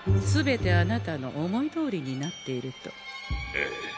ええ。